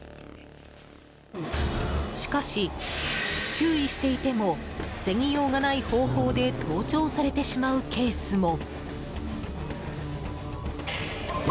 しかし、注意していても防ぎようがない方法で盗聴されてしまうケースも。